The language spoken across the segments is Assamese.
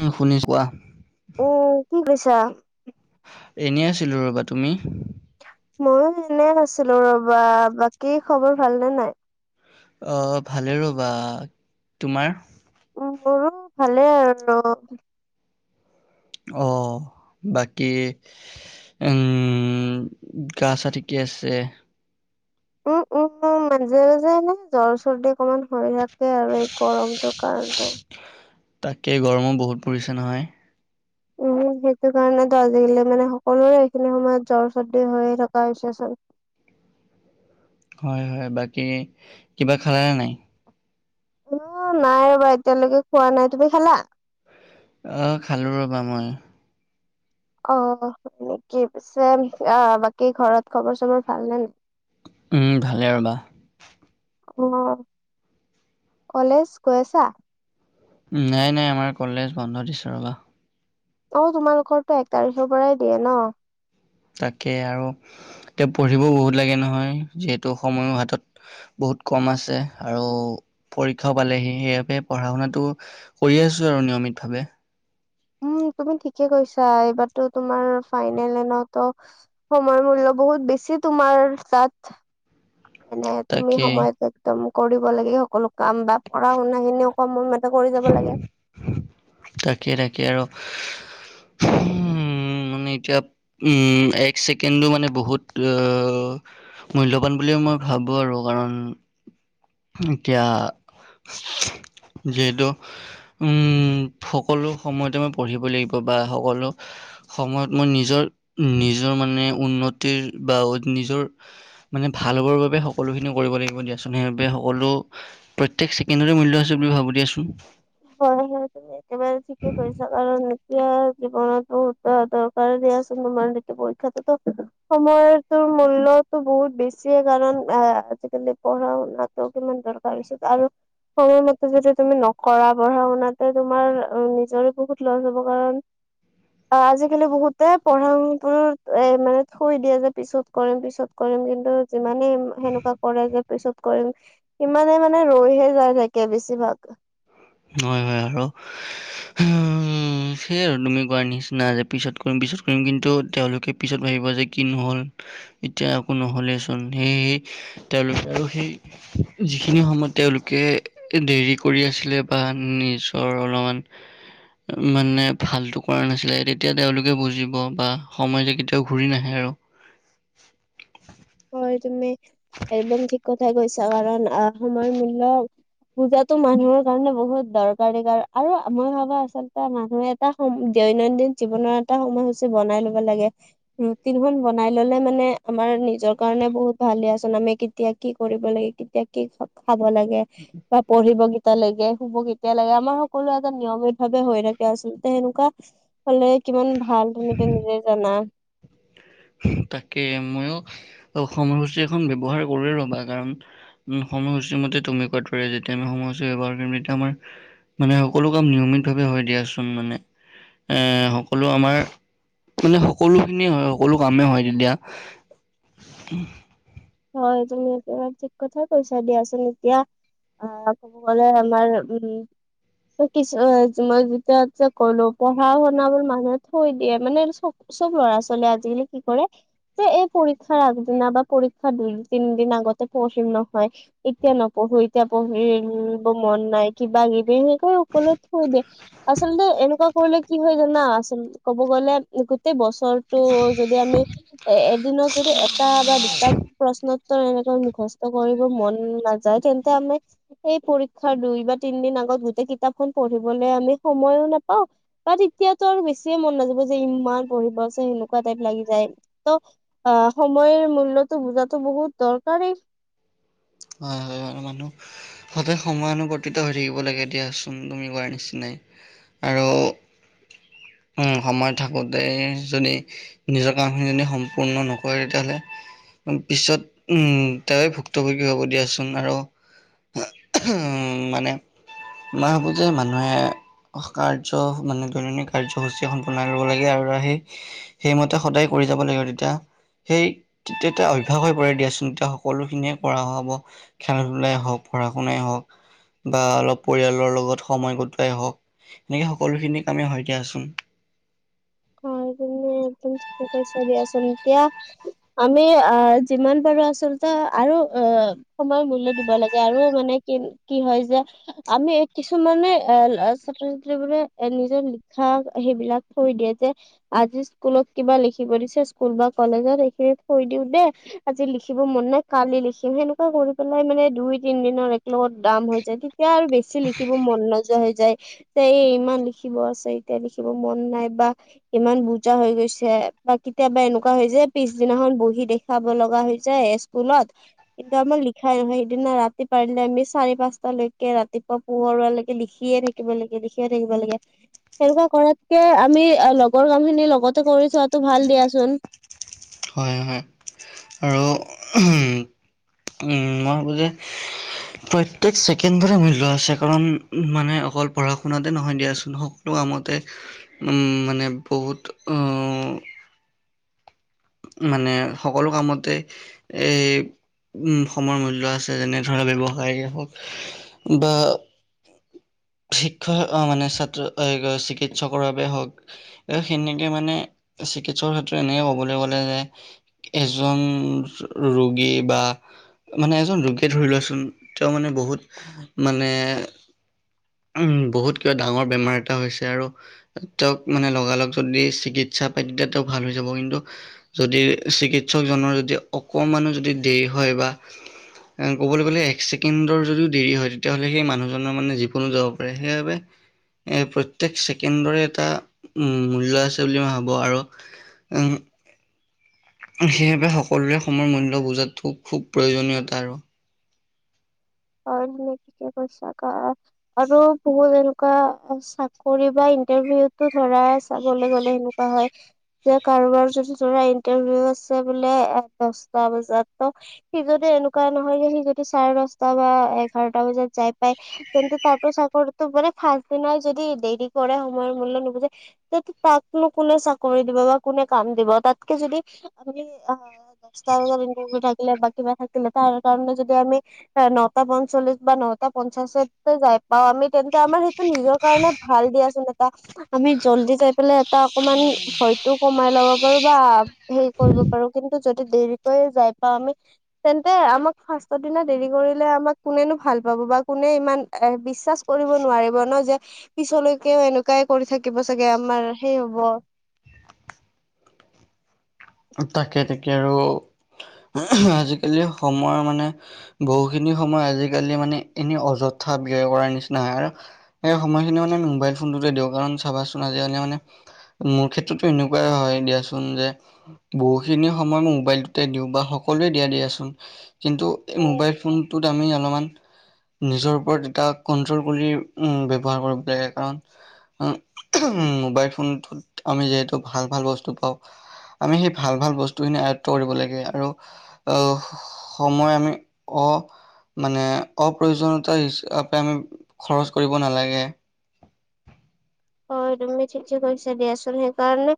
উম শুনিছো। কোৱা? অ কি কি কৈছি? এনেই আছিলোঁ ৰ'বা। তুমি? ময়ো এনে আছিলো ৰবা বাকী খবৰ ভালনে নাই। অ ভালে ৰ'বা। তোমাৰ? উম মোৰো ভালে। হেল্ল' অ বাকী উম গা চা ঠিকে আছে। উম উম উম মাজে মাজে নে জ্বৰ-চৰদি অকমান হয় ইয়াত ত আৰু এই গৰমটোৰ কাৰণে তাকে গৰমো বহুত পৰিছে নহয়। উম সেইটো কাৰণেতো আজিকালি মানে সকলোৰে এইখিনি সময়ত জ্বৰ-চৰ্দি হৈয়ে থকা হৈছে চোন। হয় হয় বাকী কিবা খালানে নাই? অ নাই ৰ'বা এতিয়ালৈকে খোৱা নাই। তুমি খালা? অ খালো ৰবা মই। অ নেকি পিছে অ বাকী ঘৰত খবৰ চবৰ ভাল নে? উম উ ভালে ৰবা। অ অ অ কলেজ গৈ আছা। নাই নাই আমাৰ কলেজ বন্ধ দিছে ৰ'বা। অ তোমালোকৰটো এক তাৰিখৰ পৰাই দিয়ে না। তাকে আৰু উ হু হু হু তেওঁ পঢ়িবও বহুত লাগে নহয় যিহেতু সময়ো হাতত আহ বহুত কম আছে আৰু পৰীক্ষাও পালেহি সেইবাবে পঢ়া শুনাটো উস্ কৰি আছোঁ আৰু নিয়মিতভাৱে। উম তুমি ঠিকে কৈছা এইবাৰতো তোমাৰ ফাইনেলে ন ত সময়ৰ মূল্য বহুত বেছি তোমাৰ তাত মানে তুমি তাকেই সময়তে একদম কৰিব লাগে এই সকলো কাম বা পঢ়া-শুনা খিনিও কম সময়মতে কৰি যাব লাগে। তাকে তাকে আৰু ফুওওওও ফু হুমমমমমমম উম মানে এতিয়া উম উ উ এক ছেকেণ্ডো মানে বহুত ত অ অ অ অ অ সেও মূল্যবান বুলিয়ে মই ভাবো আৰু কাৰণ হুম হুম এতিয়া এ সি ও ও যিহেতু উ উ ঠা উম উ উ উ সকলো সময়তে মই পঢ়িবই লাগিব বা সকলো হা আ আ সময়ত মই নিজৰ নিজৰ মানে উন্নতিৰ বা নিজৰ মানে ভাল হ'বৰ বাবে সকলোখিনিও কৰিব লাগিব দিয়াচোন সেইবাবে হও হলোঁ প্ৰত্যেক ছেকেণ্ডৰে মূল্য হৈছে বুলি ভাবো দিয়াচোন। হয় হয় তুমি একেবাৰে এইবাৰ ৰুচি ঠিকে কৰিছা কাৰণ এতিয়া জীৱনত বহুত দৰকাৰ দিয়া চোন তোমাৰ বৃত্তি পৰীক্ষাটোতো টু টু সময় তো মূল্যতো বহুত বেছিয়ে কাৰণ আহ আজিকালি পঢ়া শুনাত তোমাৰ কিমান দৰকাৰ পিছত আৰু সময়মতে যদি তুমি নকৰা। পঢ়া শুনাতে তোমাৰ নিজৰে বহুত লছ হ'ব কাৰণ অ আজিকালি বহুতে পঢ়া-শুনাটোত এ মানে থৈ দিয়ে যে পিছত কৰিম পিছত কৰিম কিন্তু যিমানেই সেনেকুৱা কৰে যে পিছত কৰিম ইচ্ ইমানে মানে ৰৈহে যায় থাকে বেছিভাগ। হয় হয় আৰু সুওওওও হে আ আ আ উম উ উ সেইয়াই আৰু তুমি কোৱাৰ নিচিনা যে পিছত কৰিম পিছত কৰিম কিন্তু তেওঁলোকে পিছত ভাবিব যে কি নহ'ল এতিয়া একো নহ'লেচোন হেইয়ে ঠি তেওঁলোকে আৰু সেই যিখিনি সময়ত তেওঁলোকে এ দেৰি কৰি আছিলে। বা নিজৰ অলপমান হে হে হে মানে ভালতো কৰা নাছিলে তেতিয়া তেওঁলোকে বুজিব বা সময় যে কেতিয়াও ঘূৰি নাহে আৰু হয় তুমি একদম ঠিক কথাই কৈছা কাৰণ আহ সময়ৰ মূল্য পূজাতো মানুহৰ কাৰণে বহুত দৰকাৰী কাৰণ আৰু মই ভাবো আচলতে মানুহে এটা সময় দৈনন্দিন জীৱনৰ এটা সময়সূচী বনাই ল'ব লাগে। ৰুটিন খন বনাই ললে মানে আমাৰ নিজৰ। কাৰণে বহুত ভালে আচোন আমি কেতিয়া কি কৰিব লাগে কেতিয়া কি খাব লাগে। উম উমহ। বা পঢ়িব কেতিয়া লাগে শুব কেতিয়া লাগে আমাৰ সকলো এটা নিয়মিত ভাৱে হৈ থাকে আচলতে সেনেকুৱা। উস্ উহু হলে কিমান ভাল তুমিতো নিজেই জানা। হুম উ তাকে মইয়ো উস্ উ উ সময়সূচী এখন ব্যৱহাৰ কৰি লবা কাৰণ উম সময়সূচী মতে তুমি কোৱাৰ দৰে যেতিয়া আমি সময়সূচী ব্যৱহাৰ কৰিম তেতিয়া আমাৰ ইহ ই ই মানে সকলো কাম নিয়মিত ভাৱে হৈ দিয়াচোন মানে। এ সকলো আমাৰ মানে সকলো খিনিয়ে হয় সকলো কামেই হয় তেতিয়া হয় তুমি একেবাৰে ঠিক কথা কৈছা দিয়াচোন এতিয়া আহ কব গলে আমাৰ উম উ। এই কিছু মই যেতিয়া ইচ্ছা কৰিলো পঢ়া শুনা বোৰ মানুহে থৈ দিয়ে মানে আৰু চকু চব ল'ৰা-ছোৱালীয়ে আজিকালি কি কৰে যে এই পৰীক্ষাৰ আগদিনা বা পৰী দুই-তিনিদিন আগতে পঢ়িম নহয়। এতিয়া নপঢ়ো এতিয়া পঢ়িব মন নাই কিবা কিবি এই অকলে থৈ দিয়ে আচলতে এনেকুৱা ক'বলে কি হয় জানা আচলতে ক'ব গ'লে গোটেই বছৰ হলটো যদি আমি এ এদিনত যদি এটা বা দুটা প্ৰশ্ন প্ৰশ্ন উত্তৰ এনেকৈ মুখস্থ কৰিব মন নাযায় তেন্তে আমি এই পৰীক্ষাৰ দুই বা তিন দিন আগত গোটেই কিতাপখন পঢ়িবলে আমি সময়ো নাপাওঁ বাট এতিয়াতো আৰু বেছিয়ে মন নাযাব যে ইমান পঢ়িব আছে সেনেকুৱা টাইপ লাগি যায় ত' অ' সময়ৰ মূল্যতো বুজাতো বহুত দৰকাৰী। হয়-হয় আৰু মানুহ। সদায় সময়ানুবৰ্তিত হৈ থাকিব লাগে দিয়াচোন তুমি কোৱাৰ নিচিনাই আৰু উম সময় থাকোঁতে যদি নিজৰ কাম খিনি যদি সম্পূৰ্ণ নকৰে তেতিয়া হ'লে পিছত উম তেওঁৱে ভুক্তভোগী হ'ব দিয়াচোন আৰু [unintelligible] উম, মানে মই ভাবোঁ যে মানুহে কাৰ্য মানে দৈন [unintelligible] কাৰ্যসূচী এখন বনাই ল'ব লাগে আৰু আহি সেইমতে সদায় কৰি যাব লাগিব তেতিয়া সেই তেতিয়া অভ্যাস হৈ পৰে দিয়াচোন তেতিয়া সকলোখিনিয়ে কৰা হ'ব। খেলা-ধূলাই হওক পঢ়া শুনাই হওক। বা অলপ পৰিয়ালৰ লগত সময় কটোৱাই হওক এনেকে সকলোখিনি কামেই হয় দিয়াচোন। হয় তুমিয়ে একদম ঠিকে কৈছা দিয়াচোন। এতিয়া আমি অ' যিমান পাৰোঁ আচলতে আৰু অ' সময়ৰ মূল্য দিব লাগে আৰু মানে কি-কি হয় যায় আমি এ কিছুমানে এ ল'ৰা ছাত্ৰ-ছাত্ৰীবোৰে এ নিজে লিখা সেইবিলাক থৈ দিয়ে যে আজি স্কুলত কিবা লিখিব দিছে স্কুল বা কলেজত সেইখিনি থৈ দিওঁ দেই। আজি লিখিব মন নাই কালি লিখিম সেনেকুৱা কৰি পেলাই মানে দুই তিন দিনৰ একেলগত দাম হৈ যায় দেই। তেতিয়া আৰু বেছি লিখিব মন নযোৱা হৈ যায়। এতিয়াই ইমান লিখিব আছে এতিয়া লিখিব মন নাই বা ইমান বুজা হৈ গৈছে বা কেতিয়াবা এনেকুৱা হৈ যে পিছদিনাখন বহি দেখ দেখুওৱাব লগা হৈছে এ স্কুলত। কিন্তু আমাৰ লিখাই নহয় সেইদিনা ৰাতি পাৰিলে আমি চাৰি, পাঁচটালৈকে ৰাতিপুৱা পোহৰ হোৱালৈকে লিখিয়ে থাকিব লাগে লিখিয়ে থাকিব লাগে সেনেকুৱা কৰাতকে আমি আৰু লগৰ কাম খিনি লগতে কৰি থোৱাটো ভাল দিয়াচোন। হয়-হয়। উম মই ভাবো যে প্ৰত্যেক ছেকেণ্ডৰে মূল্য আছে কাৰণ মানে অকল পঢ়া শুনাতে নহয় দিয়াচোন হওক সকলো কামতে উম মানে বহুত অ' মানে সকলো কামতে এই উম সময়ৰ মূল্য আছে যেনে ধৰা ব্যৱসায়ীয়ে হওক বা শিক্ষক অ' মানে ছাত্ৰ অ' চিকিৎসকৰ বাবে হওক। এই সেনেকে মানে চিকিৎসকৰ ক্ষেত্ৰত এনেকে ক'বলে গ'লে [unintelligible] এজন ৰোগী বা মানে এজন ৰোগী ধৰি লোৱাচোন তেওঁ মানে বহুত মানে উম বহুত কিবা ডাঙৰ বেমাৰ এটা হৈছে আৰু তেওঁক মানে লগা লগ যদি চিকিৎসা পাই তেতিয়া তেওঁ ভাল হৈ যাব কিন্তু যদি চিকিৎসকজনৰ যদি অকমানো যদি দেৰি হয় বা ক'বলৈ গ'লে এক ছেকেণ্ডৰ যদিও দেৰি হয় তেতিয়াহ'লে সেই মানুহজনৰ মানে জীৱ নো যাব পাৰে সেইবাবে এ প্ৰত্যেক ছেকেণ্ডৰে এটা উম মূল্য আছে বুলি মই ভাবো আৰু উম। সেইবাবে সকলোৰে সময়ৰ মূল্য বুজাতো খুব প্ৰয়োজনীয়তা আৰু আৰৈভনে কি কি কৈছা কা। আৰু বহুত এনকুৱা চাকৰি বা ইণ্টাৰভিউতো ধৰা চাবলৈ গ'লে নো পা হয়। যে কাৰোবাৰ যদি ধৰা ইণ্টাৰভিউ আছে বোলে এ দচটা বজাত ত সি যতে এনেকুৱা নহয় যে সি যদি চাৰে দশটা বা এঘাৰটা বজাত যাই পাই কিন্তু তাৰতো চাকৰিটো বোলে ফাৰ্ষ্ট দিনাই যদি দেৰি কৰে সময়ৰ মূল্য নুবুজে। সেইটো তাকনো কোনে চাকৰি দিব বা কোনে কাম দিব তাতকে যদি আমি আ দচটা বজাত ইনটাৰভিউ থাকিলে বা কিবা থাকিলে তাৰ কাৰণে যদি আমি এ নটা পঞ্চল্লিশ বা নটা পঞ্চাশতে যাই পাওঁ, আমি তেন্তে আমাৰ সেইটো নিজৰ কাৰণে ভাল দিয়াচোন এটা আমি জল্দি যাই পেলাই এটা অকমান ভয়তো কমাই ল'ব পাৰো বা হেৰি কৰিব পাৰো কিন্তু যদি দেৰিকৈ যাই পাওঁ আমি তেন্তে আমাক ফাৰ্ষ্টৰ দিনা দেৰি কৰিলে আমাক কোনেনো ভাল পাব বা কোনে ইমান এ বিশ্বাচ কৰিব নোৱাৰিব ন যেক পিছলৈকেও এনেকুৱাই কৰি থাকিব চাগে আমাৰ সেই হ'ব। তাকে তাকে আৰু আহ জিকালি সময় মানে বহুখিনি সময় আজিকালি মানে এনে অযথা ব্যয় কৰাৰ নিচিনা হয় আৰু। সেই সময়খিনি মানে মোবাইল ফোনটোতে দি কাৰণ চাবাচোন আজিকালি মানে মোৰ ক্ষেত্ৰতো এনেকুৱাই হয় দিয়াচোন যে বহুখিনি সময় মই মোবাইলটোতে দিওঁ বা সকলোৱে দিয়া দিয়াচোন, কিন্তু এই মোবাইল ফোনটোত আমি অলপমান নিজৰ ওপৰত এটা কন্ট্ৰল কৰি উম ব্যৱহাৰ কৰিব লাগে কাৰণ উ উহুম মোবাইল ফোনটোত আমি যিহেতু ভাল-ভাল বস্তু পাওঁ। আমি সেই ভাল- ভাল বস্তুখিনি আয়ত্ব কৰিব লাগে আৰু অহ সময় আমি অ মানে অপ্ৰয়োজনীয়তা হিচাপে আমি খৰচ কৰিব নালাগে। হয়, তুমি ঠিকেই কৈছা দিয়াছোন সেইকাৰণে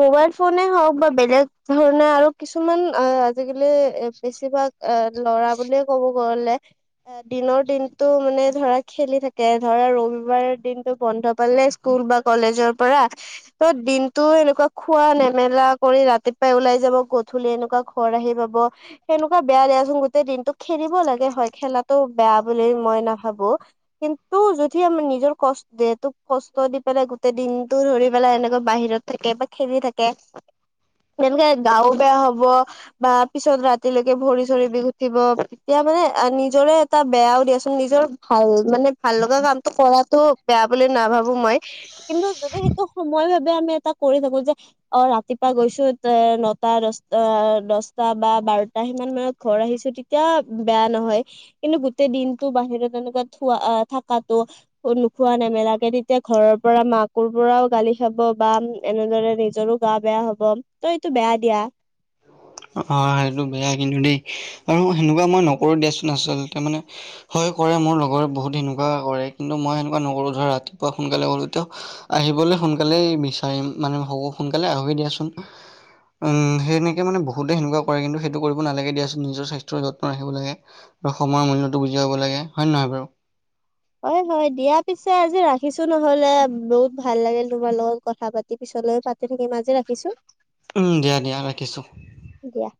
মোবাইল ফোনে হওঁক বা বেলেগ ধৰণে আৰু কিছুমান আ আজিকালি এ বেছিভাগ এ ল'ৰা বুলিয়ে ক'ব গ'লে দিনৰ দিনটো মানে ধৰা খেলি থাকে ধৰা ৰবিবাৰ দিনটো বন্ধ পালে স্কুল বা কলেজৰ পৰা ত' দিনটো এনেকুৱা খোৱা নেমেলা কৰি ৰাতিপুৱাই ওলাই যাব গধূলি এনেকুৱা ঘৰ আহি পাব। সেনেকুৱা বেয়া দিয়াচোন গোটেই দিনটো খেলিব লাগে হয় খেলাটো বেয়া বুলি মই নাভাবো। কিন্তু যদি আমাৰ নিজৰ কষ দে তোক কষ ত দি পেলাই গোটেই দিনটো ধৰি পেলাই এনেকা বাহিৰত থাকে বা খেলি থাকে তেনেকে গাও বেয়া হ'ব। বা পিছত ৰাতিলৈকে ভৰি - চৰি বিষ উঠিব এতিয়া মানে নিজৰে এটা বেয়াও দিয়াচোন নিজৰ ভাল মানে ভাল লগা কামটো কৰাটো বেয়া বুলি নাভা বো মই, কিন্তু যদি সেইটো সময় ভাৱে আমি এটা কৰি থাকো যে অ', ৰাতিপুৱা গৈছো তে নটা দচটা দছটা বা বাৰটা সিমান মানত ঘৰ আহিছো তি তিয়া বেয়া নহয়। কিন্তু গোটেই দিনটো বাহিৰত তেনেকুৱা থোৱা আ থাকাতো, নোখোৱা নেমেলাকে তে এতিয়া ঘৰৰ পৰা মাকুৰ পৰাও গালি খাব বা এনেদৰে নিজৰো গা বেয়া হ'ব। ত' এইটো বেয়া দিয়া। অ সেইটো বেয়া কিন্তু দেই আৰু সেনেকুৱা মই নকৰো দিয়াচোন আচলতে মানে হয় কৰে মোৰ লগৰে বহুত এনেকুৱা কৰে কিন্তু মই এনেকুৱা নকৰো ধৰা ৰাতিপুৱা সোনকালে গ'লেতো আহিবলে সোনকালেই বিচাৰিম মানে সোনকালে আহোঁৱে দিয়াচোন। উম সেনেকে মানে বহুতে সেনেকুৱা কৰে কিন্তু সেইটো কৰিব নালাগে দিয়াচোন নিজৰ স্বাস্থ্যৰ যত্ন ৰাখিব লাগে। সময়ৰ মূল্যটো বুজি পাব লাগে, হয় নহয় বাৰু? হয়- হয় দিয়া পিছে আজি ৰাখিছো নহ'লে বহুত ভাল লাগিল তোমাৰ লগত কথা পাত পিছলৈও পাতি থাকিম আজি ৰাখিছো। উম, দিয়া- দিয়া ৰাখিছো। দিয়া।